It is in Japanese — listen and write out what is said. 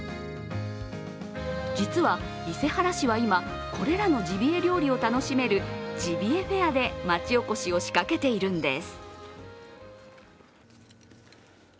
実は伊勢原市は今、これらのジビエ料理を楽しめるジビエフェアで町おこしを仕掛けているんです。